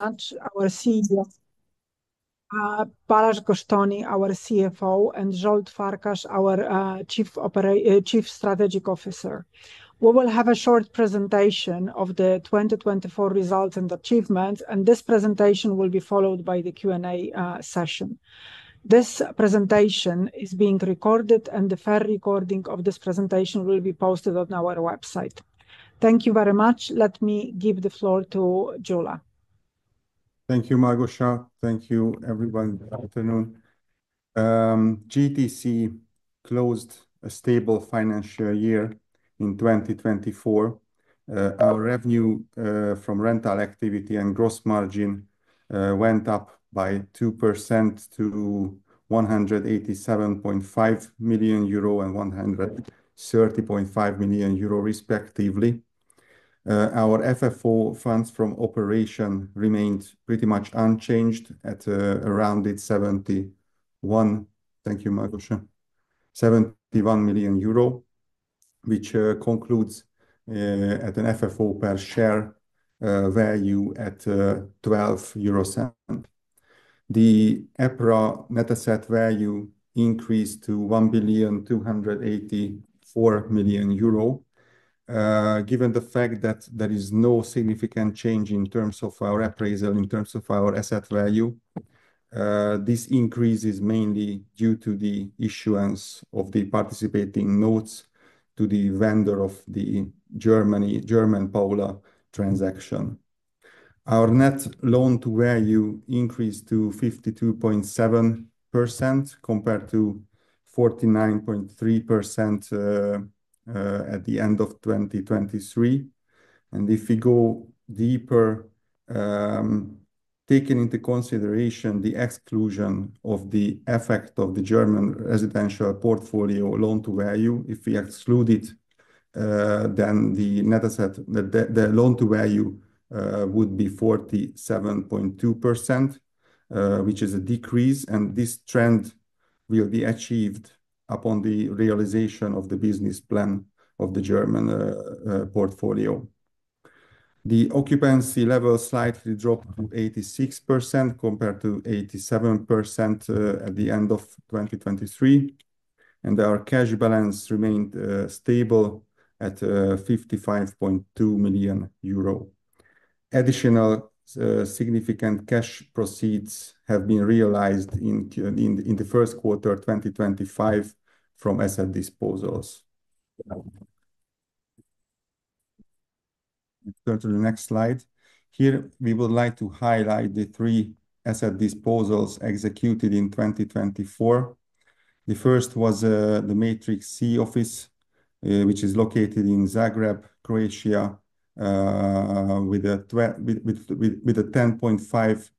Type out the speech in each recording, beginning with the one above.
Our CEO, Balázs Gosztonyi, our CFO, and Zsolt Farkas, our Chief Strategic Officer. We will have a short presentation of the 2024 results and achievements, and this presentation will be followed by the Q&A session. This presentation is being recorded and the fair recording of this presentation will be posted on our website. Thank you very much. Let me give the floor to Gyula. Thank you, Małgorzata. Thank you, everyone. Good afternoon. GTC closed a stable financial year in 2024. Our revenue from rental activity and gross margin went up by 2% to 187.5 million euro and 130.5 million euro respectively. Our FFO, funds from operation, remained pretty much unchanged at around EUR 71 million. Thank you, Małgorzata. EUR 71 million, which concludes at an FFO per share value at 0.12. The EPRA net asset value increased to 1.284 billion. Given the fact that there is no significant change in terms of our appraisal, in terms of our asset value, this increase is mainly due to the issuance of the participating notes to the vendor of the German Paula transaction. Our Net LTV increased to 52.7% compared to 49.3% at the end of 2023. If we go deeper, taking into consideration the exclusion of the effect of the German residential portfolio Net LTV, if we exclude it, then the Net LTV would be 47.2%, which is a decrease, and this trend will be achieved upon the realization of the business plan of the German portfolio. The occupancy levels slightly dropped to 86% compared to 87% at the end of 2023. Our cash balance remained stable at 55.2 million euro. Additional significant cash proceeds have been realized in the Q1 of 2025 from asset disposals. Go to the next slide. Here, we would like to highlight the three asset disposals executed in 2024. The first was the Matrix C office, which is located in Zagreb, Croatia, with a 10,500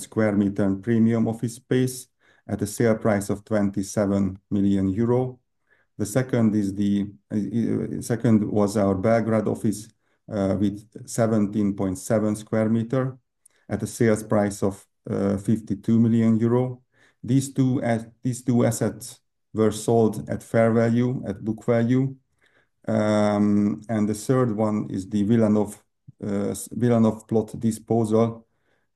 sq m and premium office space at a sale price of 27 million euro. The second was our Belgrade office, with 17.7 sq m at a sales price of 52 million euro. These two assets were sold at fair value, at book value. The third one is the Wilanów plot disposal,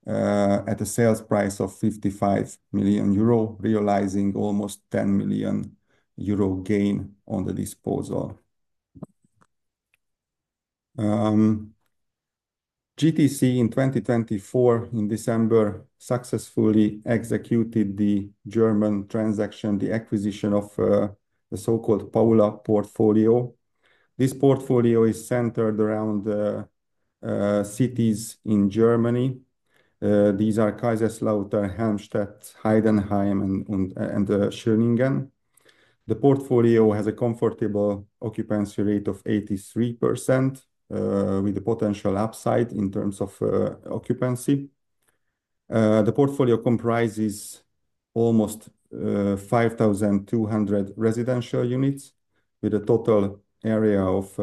at a sales price of 55 million euro, realizing almost 10 million euro gain on the disposal. GTC in 2024 in December successfully executed the German transaction, the acquisition of the so-called Paula portfolio. This portfolio is centered around cities in Germany. These are Kaiserslautern, Helmstedt, Heidenheim, and Schöningen. The portfolio has a comfortable occupancy rate of 83%, with the potential upside in terms of occupancy. The portfolio comprises almost 5,200 residential units with a total area of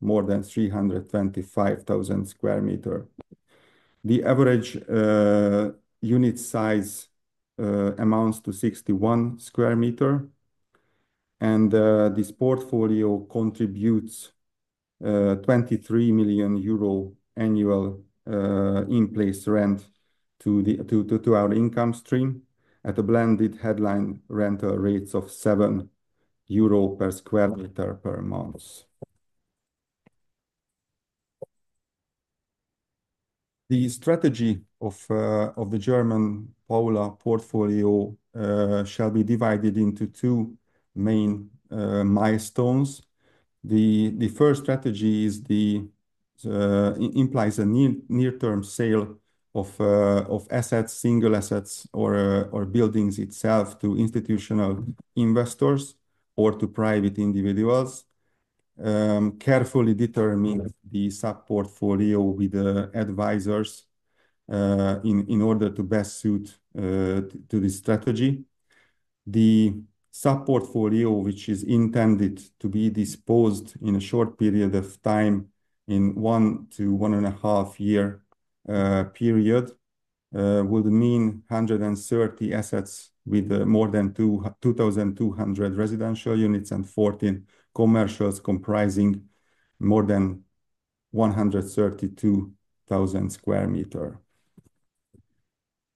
more than 325,000 sq m. The average unit size amounts to 61 sq m. This portfolio contributes EUR 23 million annual in-place rent to our income stream at a blended headline rental rates of 7 euro per sq m per month. The strategy of the German Paula portfolio shall be divided into two main milestones. The first strategy implies a near-term sale of assets, single assets or buildings itself to institutional investors or to private individuals. Carefully determine the sub-portfolio with the advisors in order to best suit to this strategy. The sub-portfolio, which is intended to be disposed in a short period of time in one to one and half year period, would mean 130 assets with more than 2,200 residential units and 14 commercials comprising more than 132,000 sq m.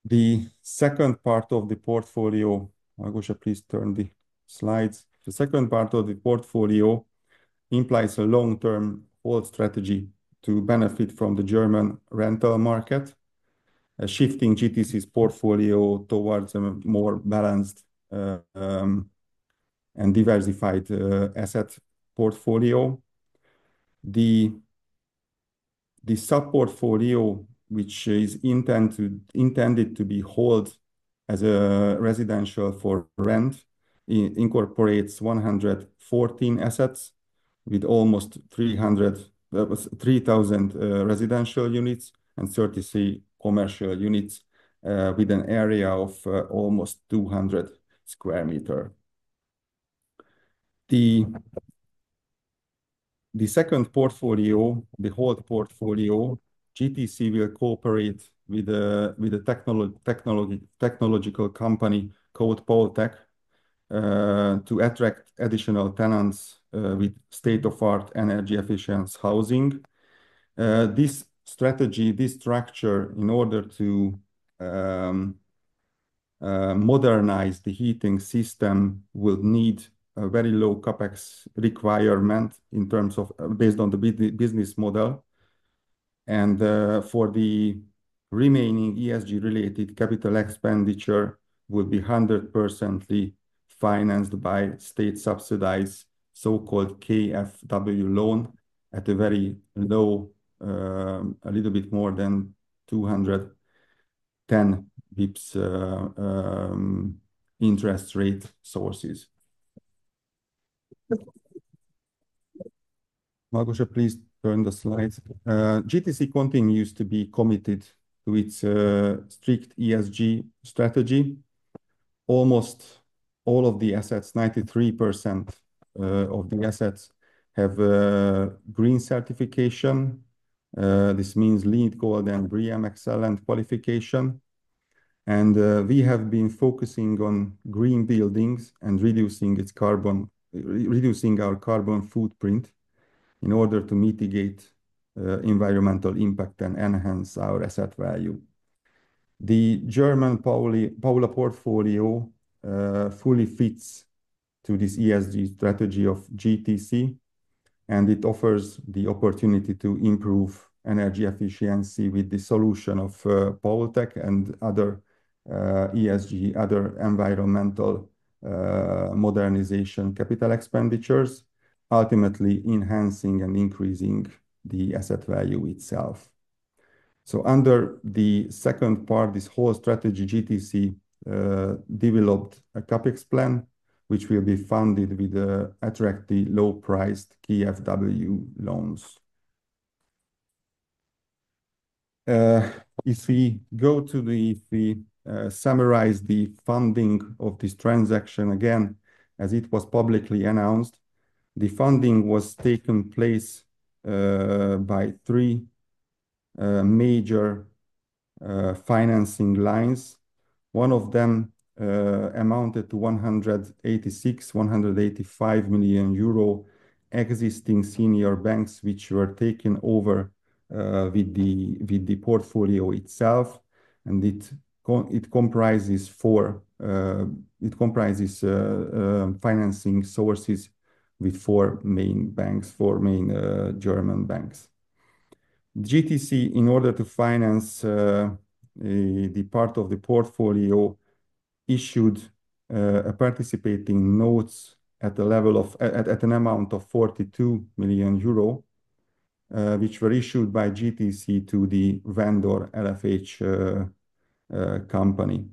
The second part of the portfolio. Małgosia, please turn the slides. The second part of the portfolio implies a long-term hold strategy to benefit from the German rental market, shifting GTC's portfolio towards a more balanced and diversified asset portfolio. The sub-portfolio which is intended to be hold as a residential for rent incorporates 114 assets with almost 3,000 residential units and 33 commercial units, with an area of almost 200 sq m. The second portfolio, the hold portfolio, GTC will cooperate with a technological company called Poltek to attract additional tenants with state-of-art energy efficient housing. This strategy, this structure, in order to modernize the heating system will need a very low CapEx requirement in terms of based on the business model and for the remaining ESG related capital expenditure will be 100% financed by state subsidized so-called KfW loan at a very low a little bit more than 210 bps interest rate sources. Magusha, please turn the slides. GTC continues to be committed to its strict ESG strategy. Almost all of the assets, 93% of the assets have green certification. This means LEED Gold and BREEAM Excellent qualification. We have been focusing on green buildings and reducing our carbon footprint in order to mitigate environmental impact and enhance our asset value. The German Paula portfolio fully fits to this ESG strategy of GTC, and it offers the opportunity to improve energy efficiency with the solution of Poltek and other ESG, other environmental, modernization capital expenditures, ultimately enhancing and increasing the asset value itself. Under the second part, this whole strategy, GTC developed a CapEx plan, which will be funded with the attractively low-priced KfW loans. If we go to the summarize the funding of this transaction again, as it was publicly announced, the funding was taken place by three major financing lines. One of them amounted to 186, 185 million existing senior banks which were taken over with the portfolio itself, and it comprises four financing sources with four main banks, four main German banks. GTC, in order to finance the part of the portfolio, issued participating notes at an amount of 42 million euro, which were issued by GTC to the vendor, LFH company.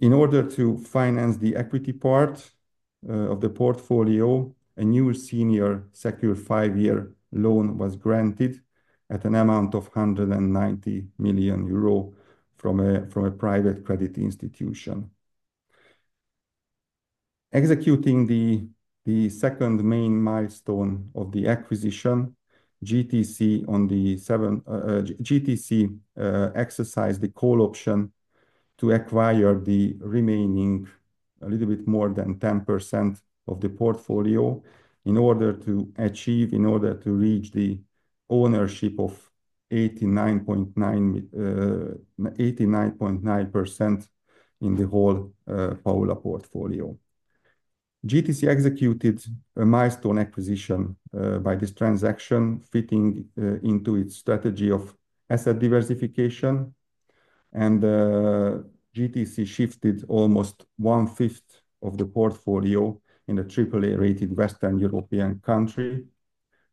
In order to finance the equity part of the portfolio, a new senior secure five-year loan was granted at an amount of 190 million euro from a private credit institution. Executing the second main milestone of the acquisition, GTC on the seven exercised the call option to acquire the remaining a little bit more than 10% of the portfolio in order to achieve, in order to reach the ownership of 89.9% in the whole Paula portfolio. GTC executed a milestone acquisition by this transaction, fitting into its strategy of asset diversification and GTC shifted almost one-fifth of the portfolio in a triple A rated Western European country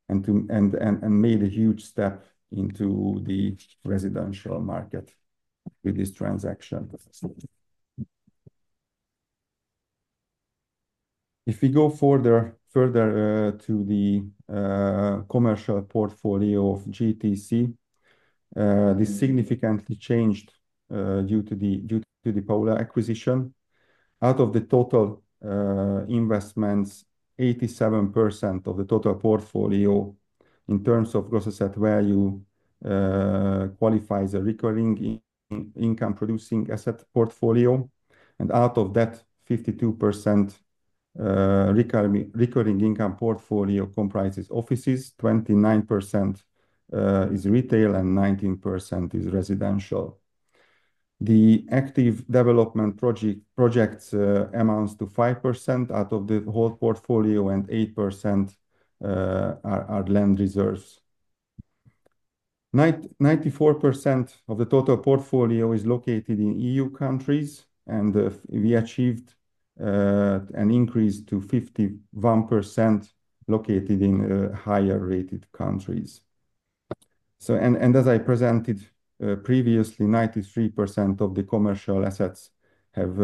and to, and made a huge step into the residential market with this transaction. If we go further to the commercial portfolio of GTC, this significantly changed due to the Paula acquisition. Out of the total investments, 87% of the total portfolio in terms of gross asset value qualifies a recurring income producing asset portfolio. Out of that 52% recurring income portfolio comprises offices, 29% is retail and 19% is residential. The active development projects amounts to 5% out of the whole portfolio, and 8% are land reserves. 94% of the total portfolio is located in EU countries, and we achieved an increase to 51% located in higher rated countries. As I presented previously, 93% of the commercial assets have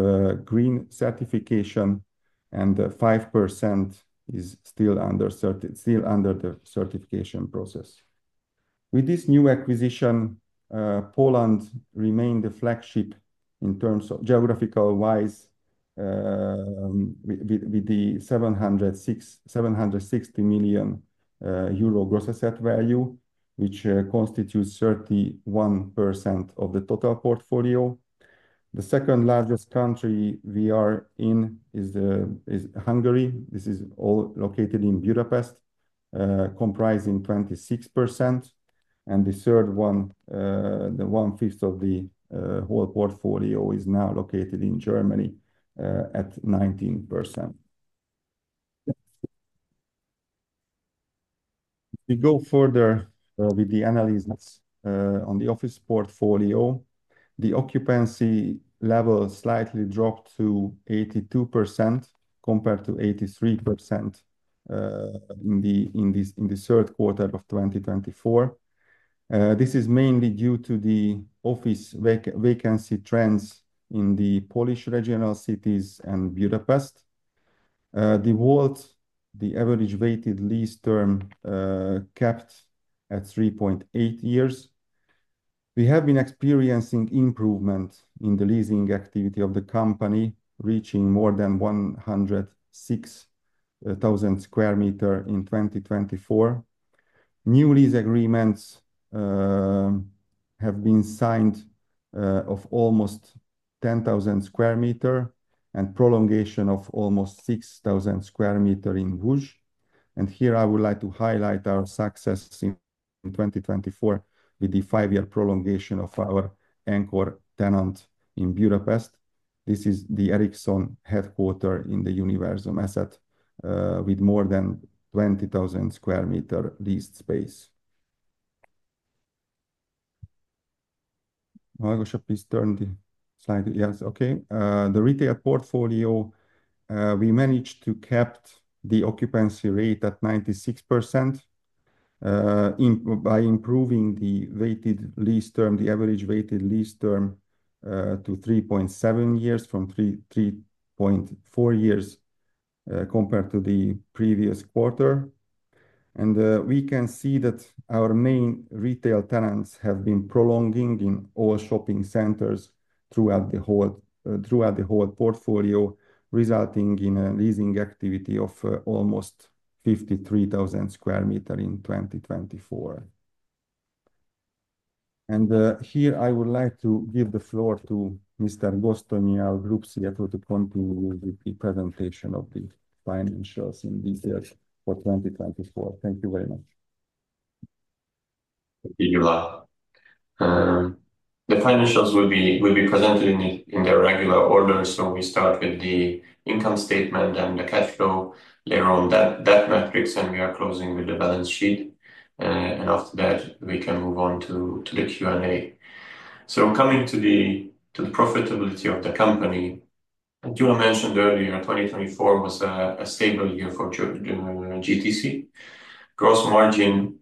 green certification and 5% is still under the certification process. With this new acquisition, Poland remained the flagship in terms of geographical-wise, with the 706... 760 million euro gross asset value, which constitutes 31% of the total portfolio. The second largest country we are in is Hungary. This is all located in Budapest, comprising 26%. The third one, the one-fifth of the whole portfolio is now located in Germany, at 19%. We go further with the analysis on the office portfolio. The occupancy level slightly dropped to 82% compared to 83% in the Q3 of 2024. This is mainly due to the office vacancy trends in the Polish regional cities and Budapest. The average weighted lease term kept at 3.8 years. We have been experiencing improvement in the leasing activity of the company, reaching more than 106,000 sq m in 2024. New lease agreements have been signed of almost 10,000 sq m and prolongation of almost 6,000 sq m in Łódź. Here I would like to highlight our success in 2024 with the five-year prolongation of our anchor tenant in Budapest. This is the Ericsson Headquarters in the Univerzum Asset, with more than 20,000 sq m leased space. Mátyás, please turn the slide. Yes. Okay. The retail portfolio, we managed to kept the occupancy rate at 96% by improving the weighted lease term, the average weighted lease term, to 3.7 years from 3.4 years, compared to the previous quarter. We can see that our main retail tenants have been prolonging in all shopping centers throughout the whole portfolio, resulting in a leasing activity of almost 53,000 sq m in 2024. Here I would like to give the floor to Mr. Gosztonyi, our Group CFO, to continue with the presentation of the financials in details for 2024. Thank you very much. Thank you, Gyula. The financials will be presented in their regular order. We start with the income statement and the cash flow. Later on debt metrics, and we are closing with the balance sheet. After that, we can move on to the Q&A. Coming to the profitability of the company, as Gyula mentioned earlier, 2024 was a stable year for GTC. Gross margin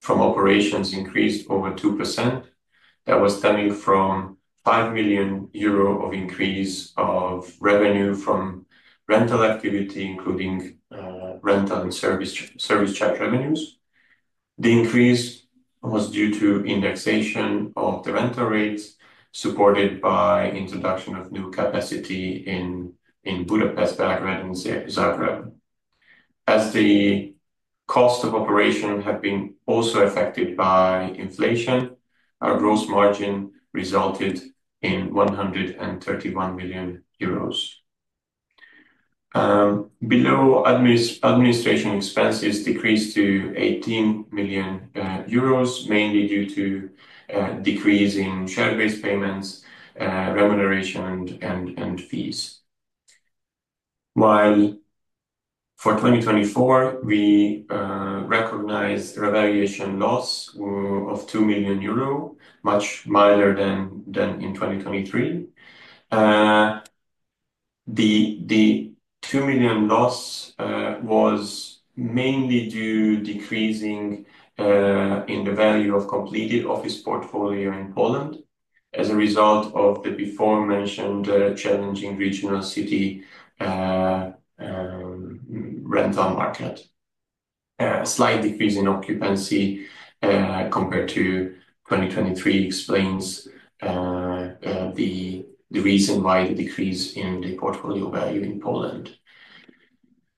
from operations increased over 2%. That was stemming from 5 million euro of increase of revenue from rental activity, including rental and service charge revenues. The increase was due to indexation of the rental rates, supported by introduction of new capacity in Budapest, Belgrade, and Zagreb. As the cost of operation have been also affected by inflation, our gross margin resulted in EUR 131 million. Below, administration expenses decreased to 18 million euros, mainly due to decrease in share-based payments, remuneration and fees. For 2024, we recognized revaluation loss of 2 million euro, much milder than in 2023. The 2 million loss was mainly due decreasing in the value of completed office portfolio in Poland as a result of the before mentioned challenging regional city rental market. Slight decrease in occupancy compared to 2023 explains the reason why the decrease in the portfolio value in Poland.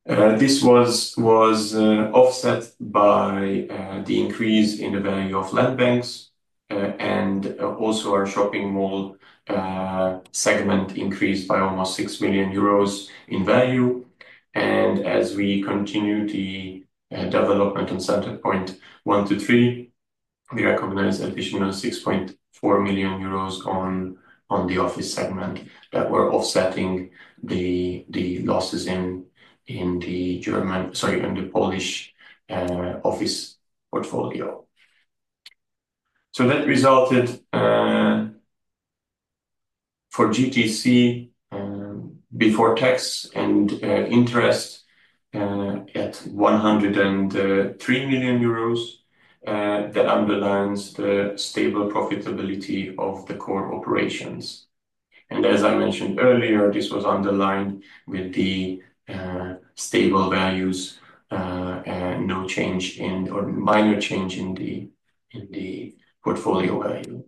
This was offset by the increase in the value of land banks and also our shopping mall segment increased by almost 6 million euros in value. As we continue the development on Centerpoint one to three, we recognize additional 6.4 million euros on the office segment that were offsetting the losses in the German, sorry, in the Polish office portfolio. That resulted for GTC before tax and interest at 103 million euros that underlines the stable profitability of the core operations. As I mentioned earlier, this was underlined with the stable values and no change in or minor change in the portfolio value.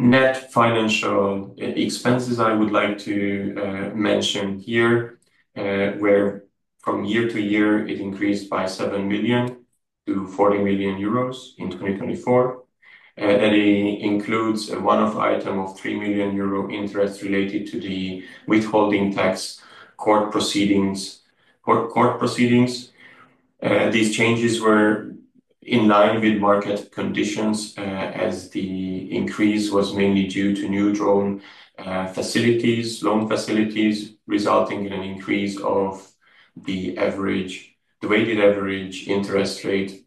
Net financial expenses I would like to mention here, where from year to year it increased by 7 million-40 million euros in 2024. That includes a one-off item of 3 million euro interest related to the withholding tax court proceedings, court proceedings. These changes were in line with market conditions, as the increase was mainly due to new drawn loan facilities, resulting in an increase of the weighted average interest rate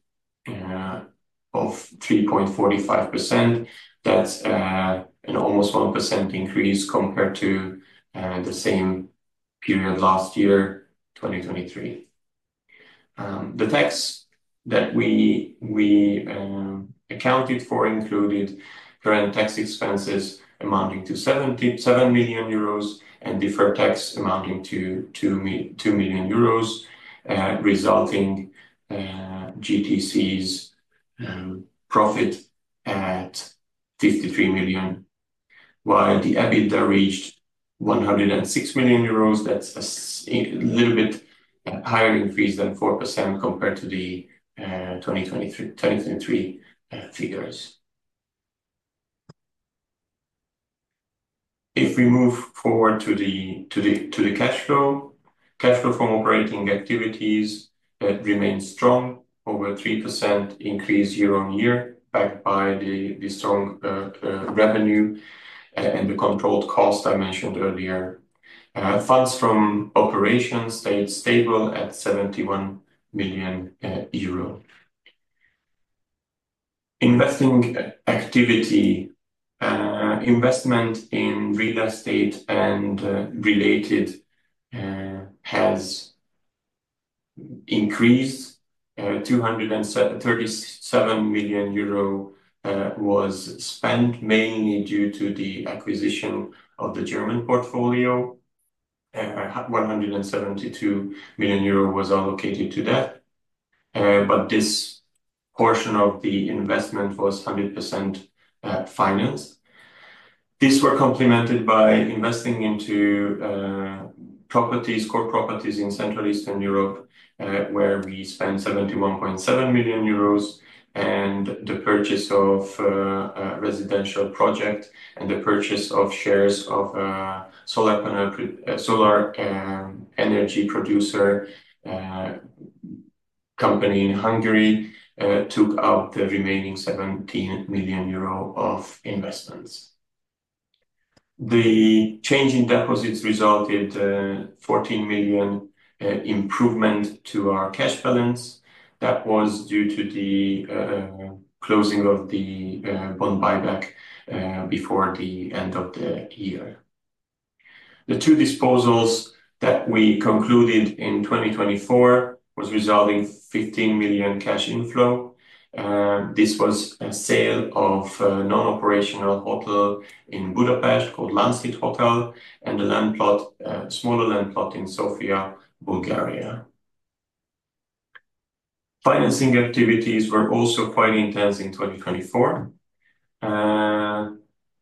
of 3.45%. That's an almost 1% increase compared to the same period last year, 2023. The tax that we accounted for included current tax expenses amounting to 7 million euros and deferred tax amounting to 2 million euros, resulting GTC's profit at 53 million, while the EBITDA reached 106 million euros. That's a little bit higher increase than 4% compared to the 2023 figures. If we move forward to the cash flow. Cash flow from operating activities remained strong, over 3% increase year on year, backed by the strong revenue and the controlled cost I mentioned earlier. Funds from operations stayed stable at EUR 71 million. Investing activity. Investment in real estate and related has increased, 237 million euro was spent mainly due to the acquisition of the German portfolio. 172 million euro was allocated to that. This portion of the investment was 100% financed. These were complemented by investing into properties, core properties in Central Eastern Europe, where we spent 71.7 million euros, and the purchase of a residential project and the purchase of shares of a solar energy producer company in Hungary took out the remaining 17 million euro of investments. The change in deposits resulted 14 million improvement to our cash balance. That was due to the closing of the bond buyback before the end of the year. The two disposals that we concluded in 2024 was resulting 15 million cash inflow. This was a sale of a non-operational hotel in Budapest called Lánchíd Hotel and a land plot, smaller land plot in Sofia, Bulgaria. Financing activities were also quite intense in 2024.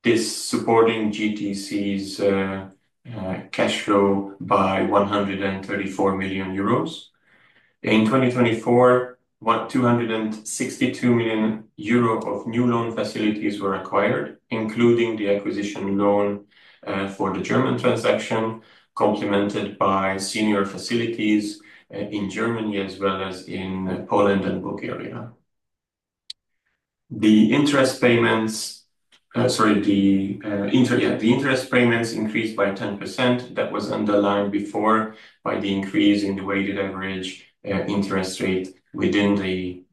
This supporting GTC's cash flow by 134 million euros. In 2024, 262 million euro of new loan facilities were acquired, including the acquisition loan for the German transaction, complemented by senior facilities in Germany as well as in Poland and Bulgaria. The interest payments increased by 10%. That was underlined before by the increase in the weighted average interest rate within the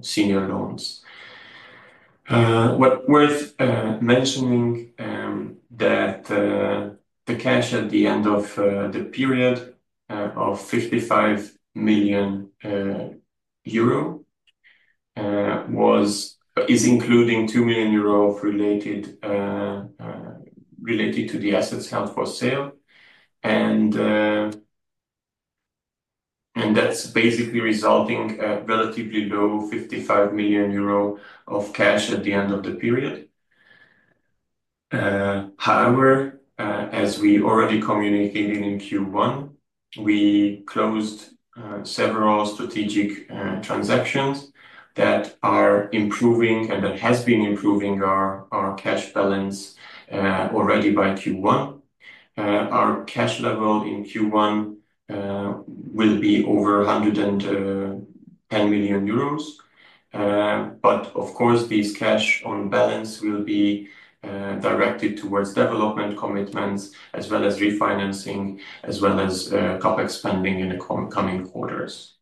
senior loans. Worth mentioning that the cash at the end of the period of 55 million euro is including 2 million euro of related to the assets held for sale. That's basically resulting at relatively low 55 million euro of cash at the end of the period. However, as we already communicated in Q1, we closed several strategic transactions that are improving and that has been improving our cash balance already by Q1. Our cash level in Q1 will be over 110 million euros. But of course, this cash on balance will be directed towards development commitments as well as refinancing, as well as CapEx spending in the coming quarters.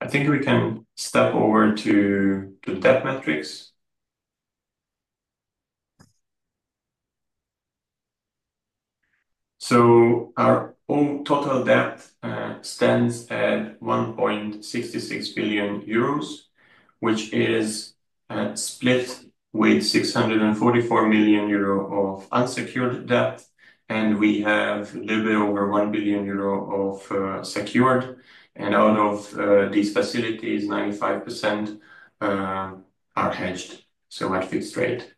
I think we can step over to the debt metrics. Our own total debt stands at 1.66 billion euros, which is split with 644 million euro of unsecured debt, and we have a little bit over 1 billion euro of secured. Out of these facilities, 95% are hedged, so at fixed rate.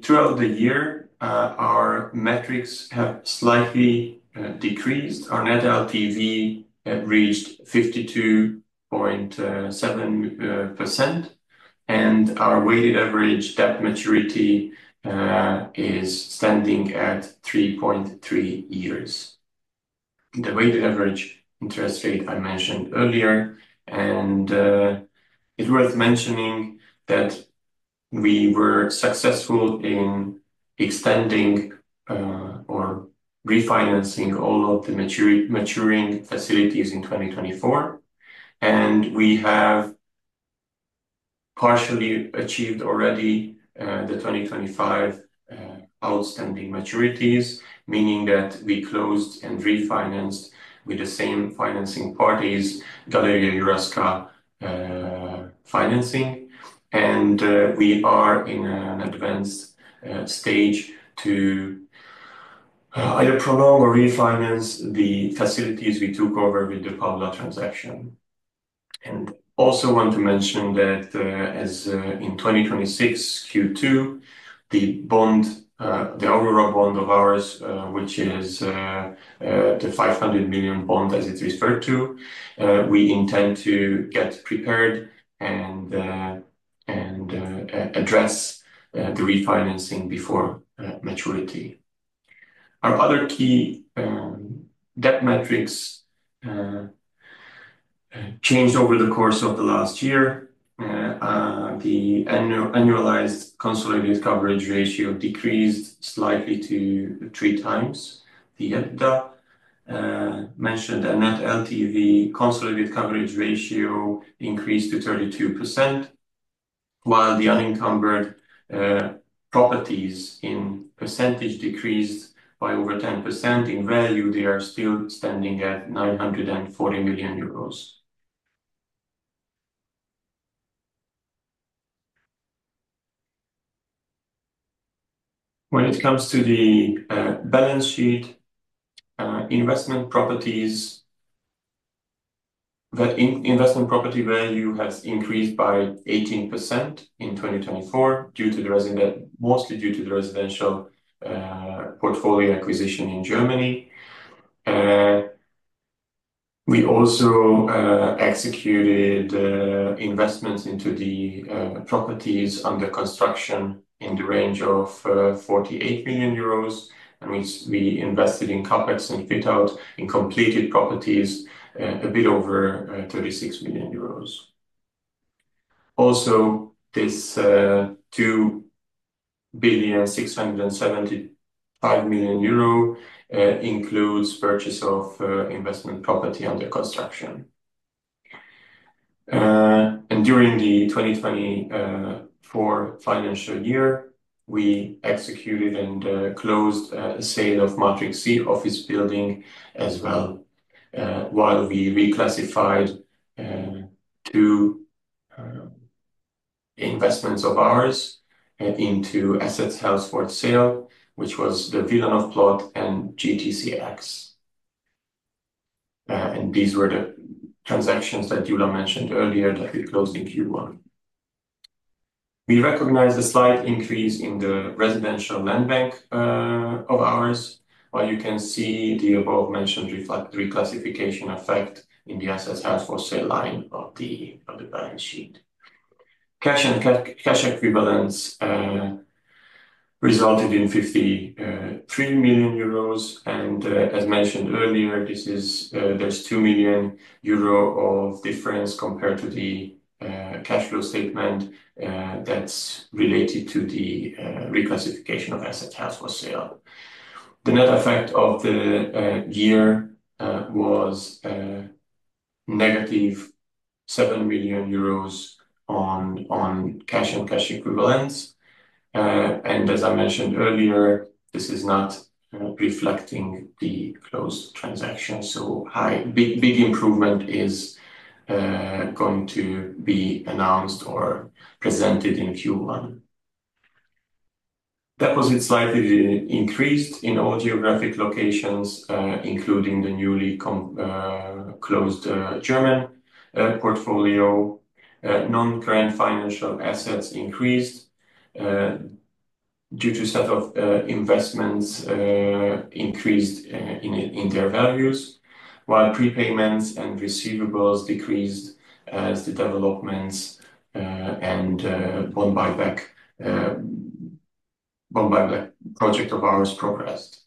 Throughout the year, our metrics have slightly decreased. Our Net LTV had reached 52.7%. Our weighted average debt maturity is standing at 3.3 years. The weighted average interest rate I mentioned earlier. It is worth mentioning that we were successful in extending or refinancing all of the maturing facilities in 2024. We have partially achieved already the 2025 outstanding maturities, meaning that we closed and refinanced with the same financing parties, Galeria Jurajska financing. We are in an advanced stage to either prolong or refinance the facilities we took over with the Paula transaction. Also want to mention that, in 2026 Q2, the Eurobond of ours, which is the 500 million bond as it's referred to, we intend to get prepared and address the refinancing before maturity. Our other key debt metrics changed over the course of the last year. The annualized consolidated coverage ratio decreased slightly to three times the EBITDA. Mentioned the Net LTV consolidated coverage ratio increased to 32%, while the unencumbered properties in percentage decreased by over 10%. In value, they are still standing at 940 million euros. When it comes to the balance sheet, investment properties, the investment property value has increased by 18% in 2024 due to the mostly due to the residential portfolio acquisition in Germany. We also executed investments into the properties under construction in the range of 48 million euros. That means we invested in CapEx and fit-out in completed properties a bit over 36 million euros. This 2,675 million euro includes purchase of investment property under construction. During the 2024 financial year, we executed and closed a sale of Matrix C office building as well, while we reclassified two investments of ours into assets held for sale, which was the Wilanów plot and GTCX. These were the transactions that Gyula mentioned earlier that we closed in Q1. We recognize the slight increase in the residential land bank of ours. While you can see the above-mentioned reclassification effect in the assets held for sale line of the, of the balance sheet. Cash and cash equivalents resulted in 53 million euros and as mentioned earlier, this is there's 2 million euro of difference compared to the cash flow statement that's related to the reclassification of assets held for sale. The net effect of the year was negative 7 million euros on cash and cash equivalents. As I mentioned earlier, this is not reflecting the closed transaction. Big improvement is going to be announced or presented in Q1. Deposit slightly increased in all geographic locations, including the newly closed German portfolio. Non-current financial assets increased due to set of investments, increased in their values, while prepayments and receivables decreased as the developments and bond buyback project of ours progressed.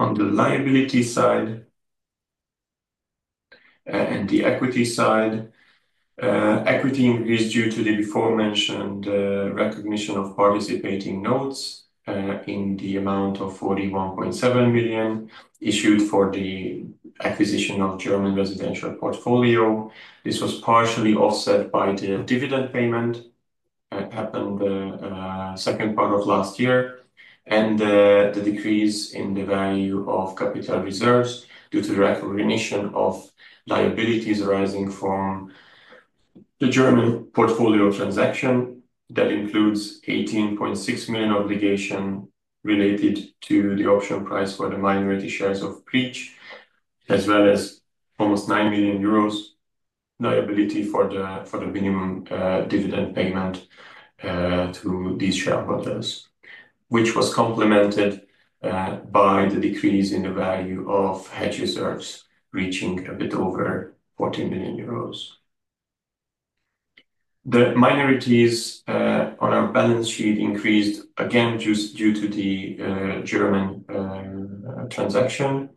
On the liability side and the equity side, equity increased due to the beforementioned recognition of participating notes in the amount of 41.7 million issued for the acquisition of German residential portfolio. This was partially offset by the dividend payment that happened second part of last year. The decrease in the value of capital reserves due to the recognition of liabilities arising from the German portfolio transaction. That includes 18.6 million obligation related to the option price for the minority shares of Peach, as well as almost 9 million euros liability for the minimum dividend payment to these shareholders. Which was complemented by the decrease in the value of hedge reserves, reaching a bit over 40 million euros. The minorities on our balance sheet increased again just due to the German transaction.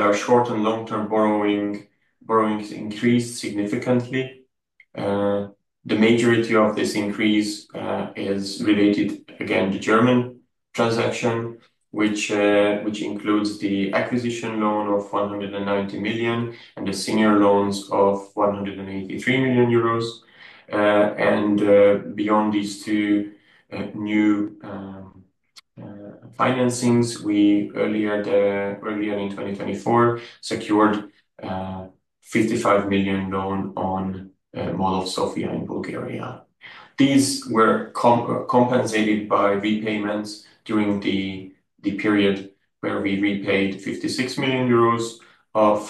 Our short and long-term borrowings increased significantly. The majority of this increase is related, again, the German transaction, which includes the acquisition loan of 190 million and the senior loans of 183 million euros. Beyond these two new financings, we earlier in 2024 secured a 55 million loan on Mall of Sofia in Bulgaria. These were compensated by repayments during the period where we repaid 56 million euros of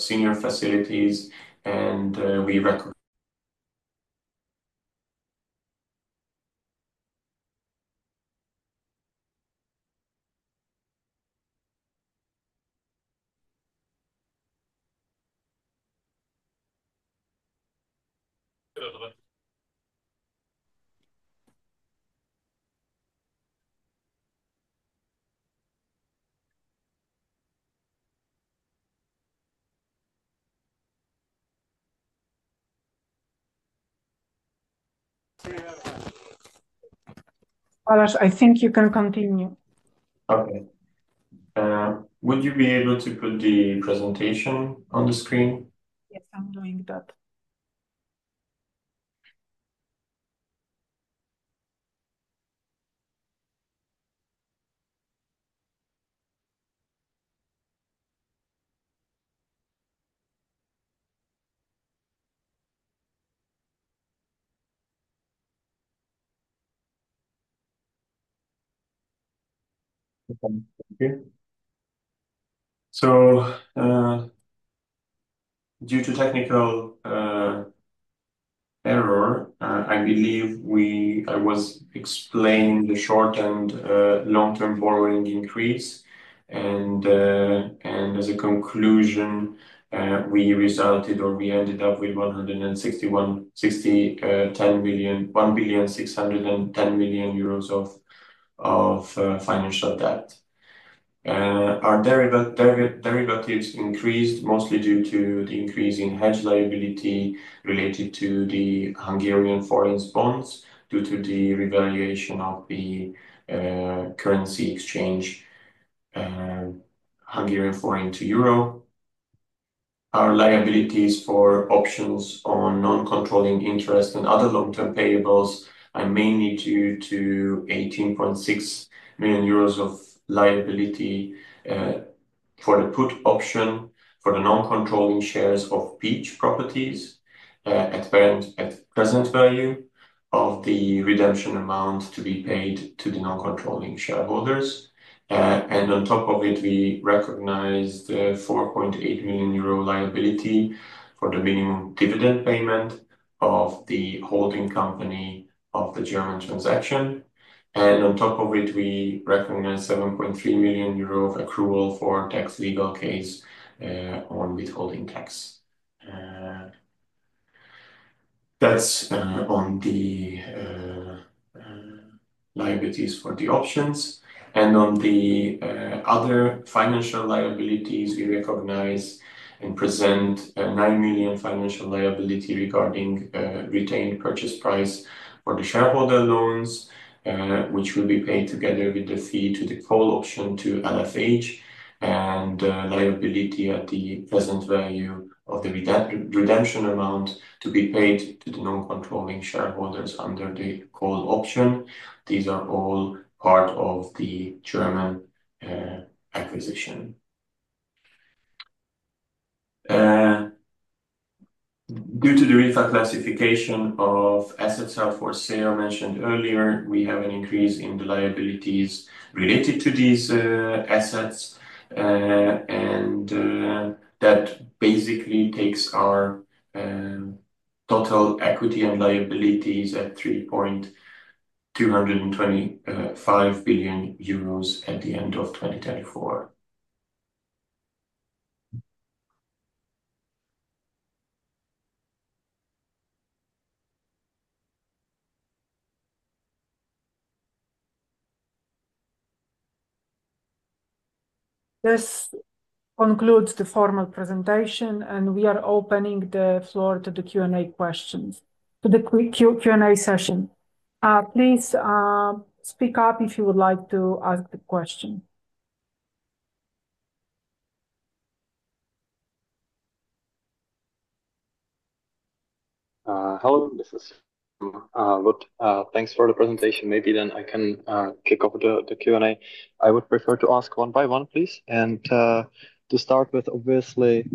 senior facilities, and we record- Balázs, I think you can continue. Okay. Would you be able to put the presentation on the screen? Yes, I'm doing that. Due to technical error, I believe I was explaining the short and long-term borrowing increase. As a conclusion, we resulted or we ended up with 1.61 billion of financial debt. Our derivatives increased mostly due to the increase in hedge liability related to the Hungarian Forints bonds due to the revaluation of the currency exchange Hungarian Forint to Euro. Our liabilities for options on non-controlling interests and other long-term payables are mainly due to EUR 18.6 million of liability for the put option for the non-controlling shares of Peach Properties at present value of the redemption amount to be paid to the non-controlling shareholders. On top of it, we recognized 4.8 million euro liability for the minimum dividend payment of the holding company of the German transaction. On top of it, we recognized 7.3 million euro of accrual for tax legal case on withholding tax. That's on the liabilities for the options. On the other financial liabilities, we recognize and present a 9 million financial liability regarding retained purchase price for the shareholder loans, which will be paid together with the fee to the call option to LFH, and liability at the present value of the redemption amount to be paid to the non-controlling shareholders under the call option. These are all part of the German acquisition. Due to the reclassification of assets up for sale mentioned earlier, we have an increase in the liabilities related to these assets. That basically takes our total equity and liabilities at 3.225 billion euros at the end of 2024. This concludes the formal presentation, we are opening the floor to the Q&A questions. To the Q&A session. Please speak up if you would like to ask the question. Hello. This is Lud. Thanks for the presentation. Maybe then I can kick off the Q&A. I would prefer to ask one by one, please. To start with, obviously,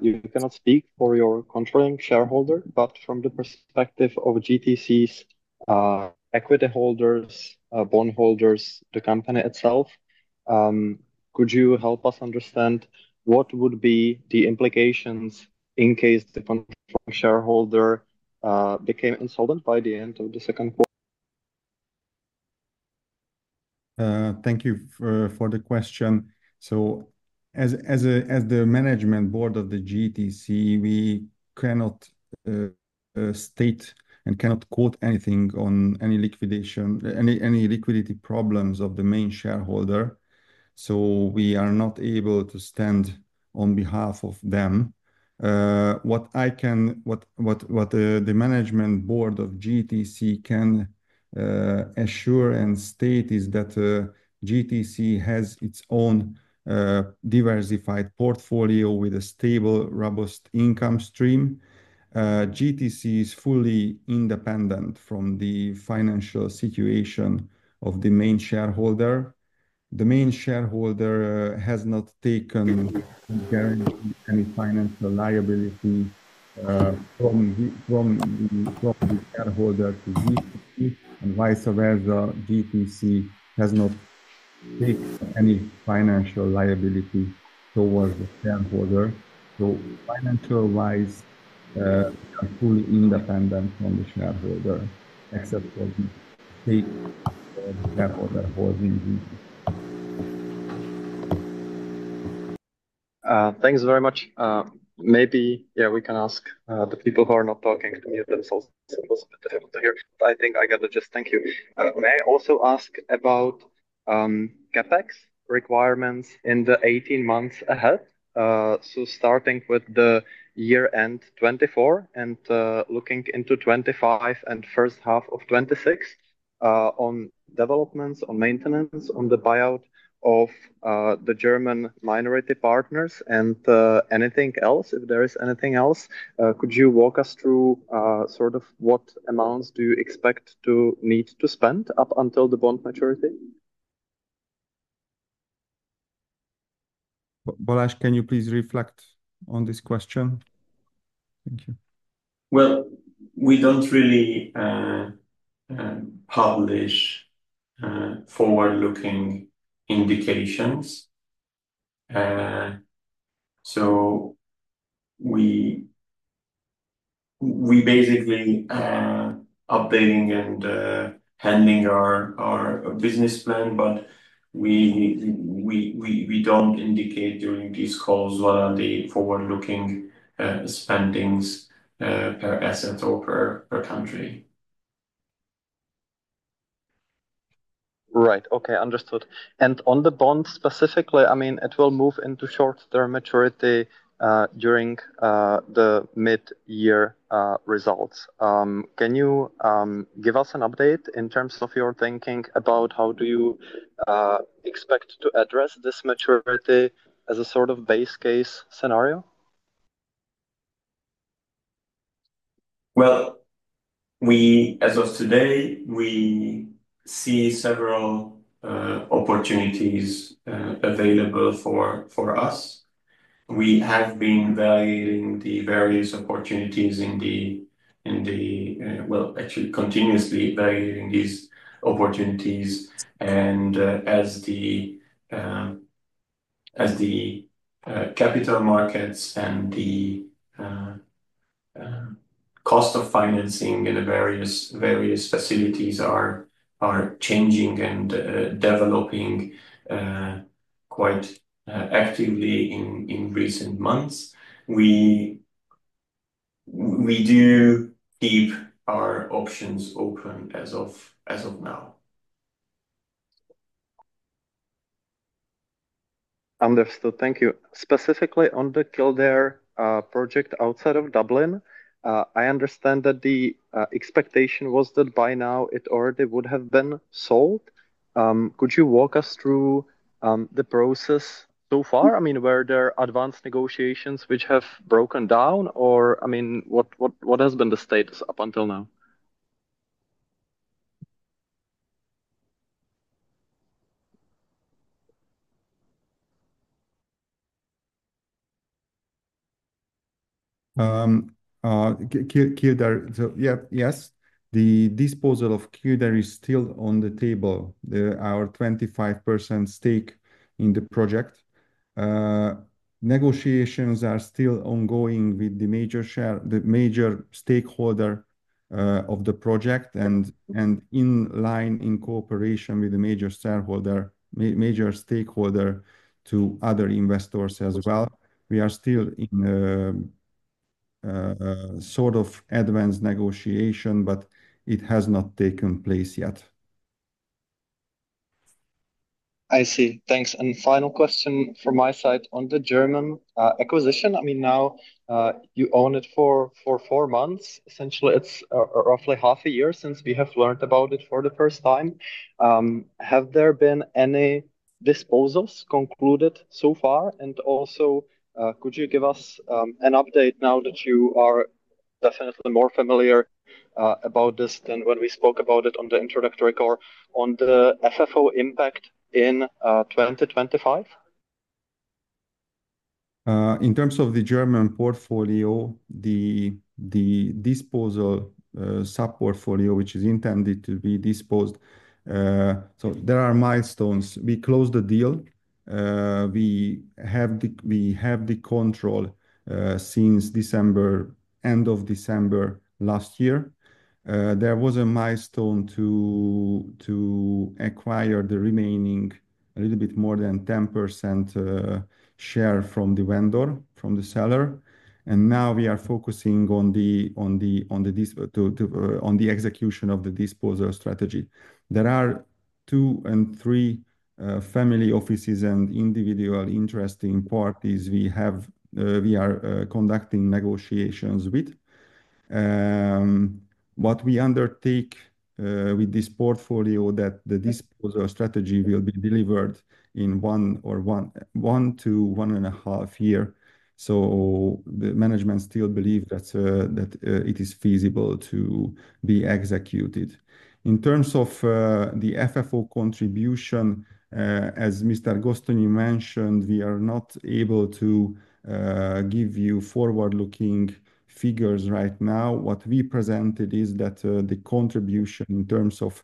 you cannot speak for your controlling shareholder, but from the perspective of GTC's equity holders, bond holders, the company itself, could you help us understand what would be the implications in case the controlling shareholder became insolvent by the end of the Q2? Thank you for the question. As, as the management board of the GTC, we cannot state and cannot quote anything on any liquidation, any liquidity problems of the main shareholder. We are not able to stand on behalf of them. What the management board of GTC can assure and state is that GTC has its own diversified portfolio with a stable, robust income stream. GTC is fully independent from the financial situation of the main shareholder. The main shareholder has not taken, guaranteed any financial liability from the, from the, from the shareholder to GTC, and vice versa. GTC has not taken any financial liability towards the shareholder. Financial-wise, we are fully independent from the shareholder, except for the stake the shareholder holds in GTC. Thanks very much. Maybe, we can ask the people who are not talking to mute themselves, so it was a bit difficult to hear. I think I got it. Just thank you. May I also ask about CapEx requirements in the 18 months ahead? Starting with the year-end 2024 and looking into 2025 and H1 of 2026, on developments, on maintenance, on the buyout of the German minority partners and anything else. If there is anything else, could you walk us through sort of what amounts do you expect to need to spend up until the bond maturity? Balázs, can you please reflect on this question? Thank you. We don't really publish forward-looking indications. We basically updating and handling our business plan. We don't indicate during these calls what are the forward-looking spendings per asset or per country. Right. Okay. Understood. On the bond specifically, I mean, it will move into short-term maturity during the mid-year results. Can you give us an update in terms of your thinking about how do you expect to address this maturity as a sort of base case scenario? Well, as of today, we see several opportunities available for us. We have been evaluating the various opportunities in the, well, actually continuously evaluating these opportunities. As the capital markets and the cost of financing in the various facilities are changing and developing. Quite actively in recent months. We do keep our options open as of now. Understood. Thank you. Specifically on the Kildare project outside of Dublin, I understand that the expectation was that by now it already would have been sold. Could you walk us through the process so far? I mean, were there advanced negotiations which have broken down or, I mean, what has been the status up until now? Kildare, yeah, yes. The disposal of Kildare is still on the table. Our 25% stake in the project. Negotiations are still ongoing with the major stakeholder of the project in line in cooperation with the major shareholder, major stakeholder to other investors as well. We are still in sort of advanced negotiation, but it has not taken place yet. I see. Thanks. Final question from my side on the German acquisition. I mean, now, you own it for four months. Essentially it's a roughly half a year since we have learned about it for the first time. Have there been any disposals concluded so far? Also, could you give us an update now that you are definitely more familiar about this than when we spoke about it on the introductory call on the FFO impact in 2025? In terms of the German portfolio, the disposal sub-portfolio, which is intended to be disposed. There are milestones. We closed the deal. We have the control since December, end of December last year. There was a milestone to acquire the remaining a little bit more than 10% share from the vendor, from the seller. Now we are focusing on the execution of the disposal strategy. There are two and three family offices and individual interesting parties we have, we are conducting negotiations with. What we undertake with this portfolio that the disposal strategy will be delivered in one to one and a half year. The management still believe that it is feasible to be executed. In terms of the FFO contribution, as Mr. Gosztonyi mentioned, we are not able to give you forward-looking figures right now. What we presented is that the contribution in terms of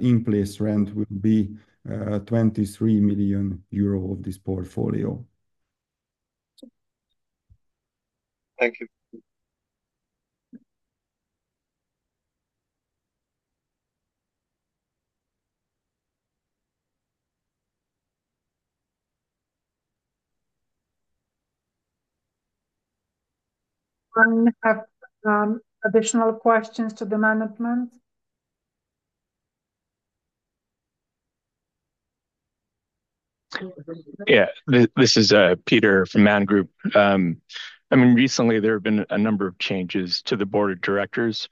in-place rent will be 23 million euro of this portfolio. Thank you. Anyone have additional questions to the management? Yeah. This is Peter from Man Group. I mean, recently there have been a number of changes to the board of directors.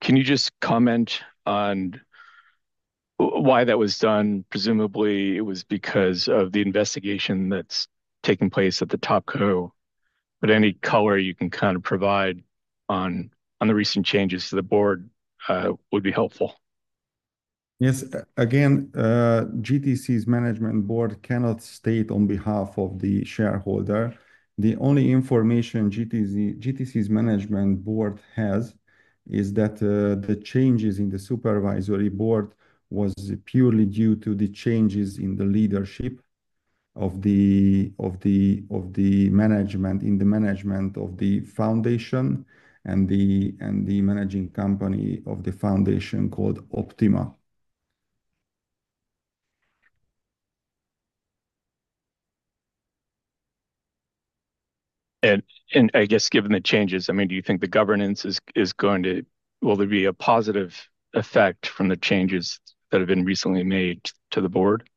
Can you just comment on why that was done? Presumably it was because of the investigation that's taking place at the top co. Any color you can kind of provide on the recent changes to the board would be helpful. Yes. Again, GTC's management board cannot state on behalf of the shareholder. The only information GTC's management board has is that the changes in the supervisory board was purely due to the changes in the leadership of the management, in the management of the foundation and the managing company of the foundation called Optima. I guess given the changes, I mean, Will there be a positive effect from the changes that have been recently made to the board?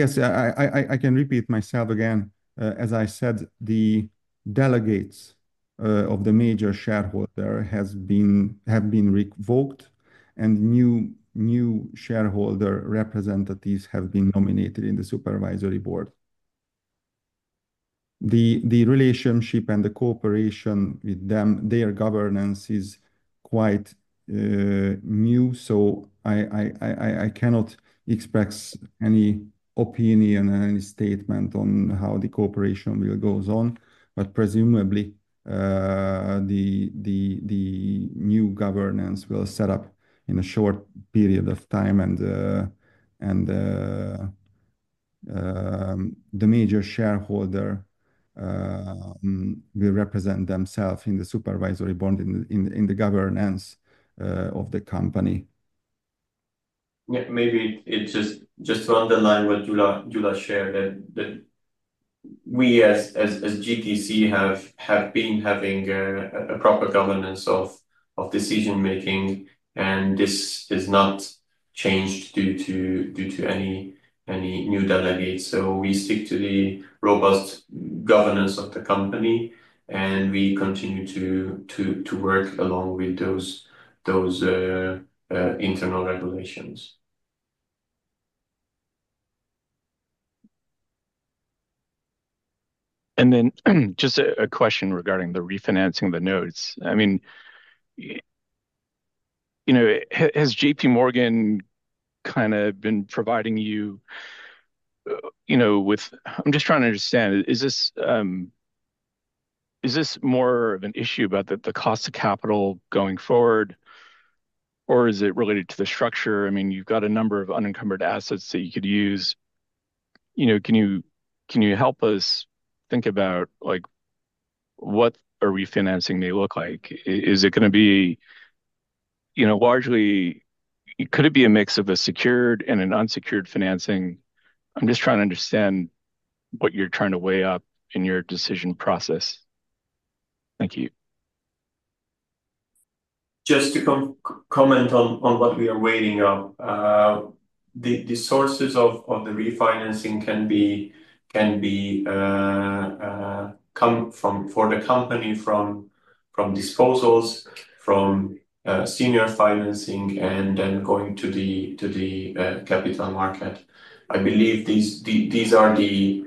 Yes. I can repeat myself again. As I said, the delegates of the major shareholder have been revoked and new shareholder representatives have been nominated in the supervisory board. The relationship and the cooperation with them, their governance is quite new. I cannot express any opinion or any statement on how the cooperation will goes on. Presumably, the new governance will set up in a short period of time and the major shareholder will represent themselves in the supervisory board in the governance of the company. Maybe it's just to underline what Gyula shared that we as GTC have been having a proper governance of decision-making, and this is not changed due to any new delegates. We stick to the robust governance of the company, and we continue to work along with those internal regulations. Just a question regarding the refinancing the notes? I mean, you know, has J.P. Morgan kinda been providing you know, with? I'm just trying to understand. Is this, is this more of an issue about the cost of capital going forward, or is it related to the structure? I mean, you've got a number of unencumbered assets that you could use. You know, can you help us think about, like, what a refinancing may look like? Could it be a mix of a secured and an unsecured financing? I'm just trying to understand what you're trying to weigh up in your decision process. Thank you. Just to comment on what we are weighing up. The sources of the refinancing can be come from for the company from disposals, from senior financing and then going to the capital market. I believe these are the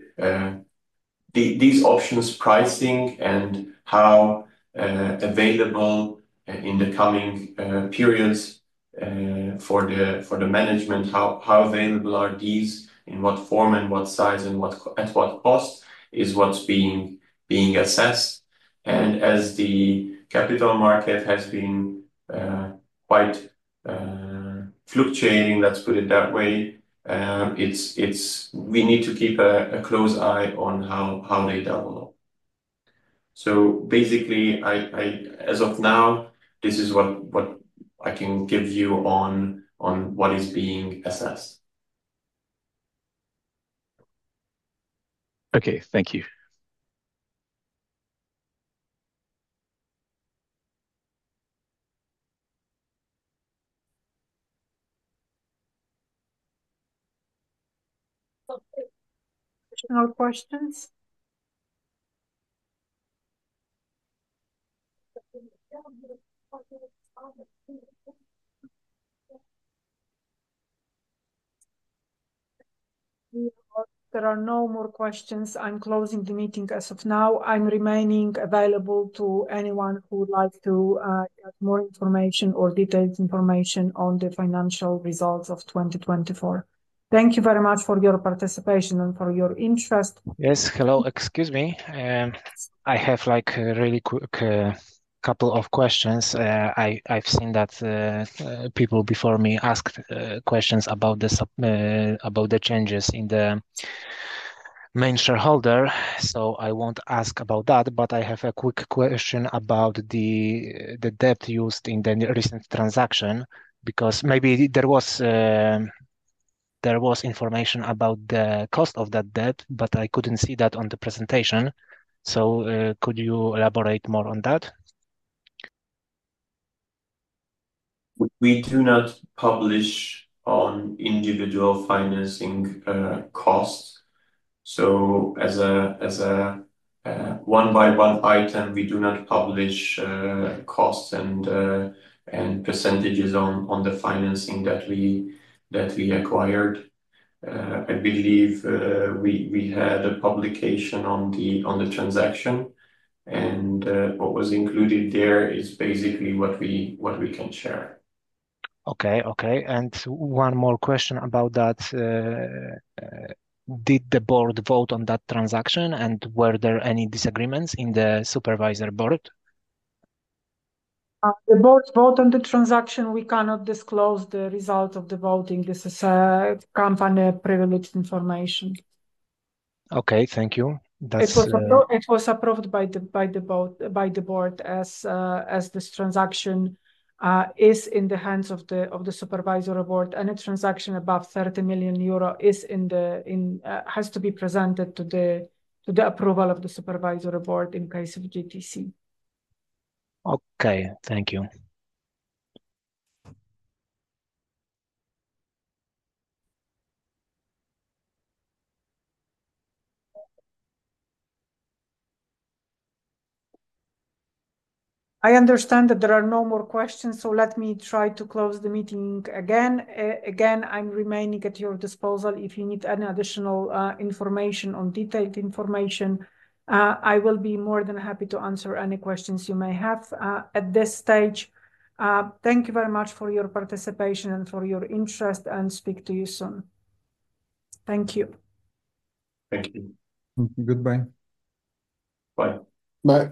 these options pricing and how available in the coming periods for the management, how available are these, in what form and what size and at what cost, is what's being assessed. As the capital market has been quite fluctuating, let's put it that way, we need to keep a close eye on how they develop. Basically, as of now, this is what I can give you on what is being assessed. Okay. Thank you. No questions? There are no more questions. I'm closing the meeting as of now. I'm remaining available to anyone who would like to get more information or detailed information on the financial results of 2024. Thank you very much for your participation and for your interest. Yes. Hello. Excuse me. I have, like, a really quick couple of questions. I've seen that people before me asked questions about the changes in the main shareholder, so I won't ask about that. I have a quick question about the debt used in the recent transaction, because maybe there was information about the cost of that debt, but I couldn't see that on the presentation. Could you elaborate more on that? We do not publish on individual financing costs. As a one by one item, we do not publish costs and percentages on the financing that we acquired. I believe we had a publication on the transaction, and what was included there is basically what we can share. Okay, okay. One more question about that. Did the board vote on that transaction, and were there any disagreements in the supervisory board? The Board vote on the transaction, we cannot disclose the result of the voting. This is company privileged information. Okay. Thank you. That's. It was approved by the board as this transaction is in the hands of the supervisory board. Any transaction above 30 million euro has to be presented to the approval of the supervisory board in case of GTC. Okay. Thank you. I understand that there are no more questions. Let me try to close the meeting again. Again, I'm remaining at your disposal if you need any additional information or detailed information. I will be more than happy to answer any questions you may have at this stage. Thank you very much for your participation and for your interest. Speak to you soon. Thank you. Thank you. Goodbye. Bye. Bye.